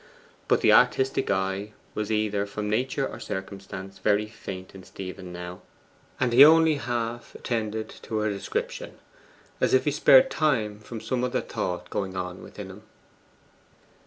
But the artistic eye was, either from nature or circumstance, very faint in Stephen now, and he only half attended to her description, as if he spared time from some other thought going on within him.